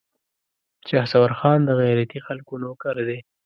شهسوار خان د غيرتي خلکو نوکر دی.